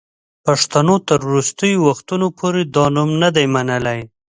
پښتنو تر وروستیو وختونو پوري دا نوم نه دی منلی.